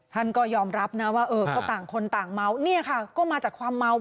ท่านก็ยอมรับนะว่าเออก็ต่างคนต่างเมาเนี่ยค่ะก็มาจากความเมา